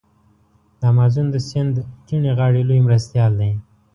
د امازون د سیند کیڼې غاړي لوی مرستیال دی.